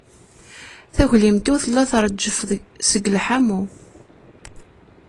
Taglimt-iw tella treǧǧef seg lḥamu.